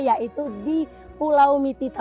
yaitu di pulau mitita